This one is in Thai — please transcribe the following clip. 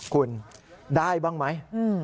คุณได้บ้างไหม